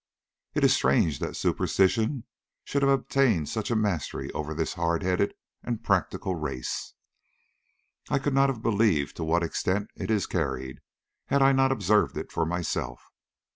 It is strange that superstition should have obtained such mastery over this hard headed and practical race. I could not have believed to what an extent it is carried had I not observed it for myself.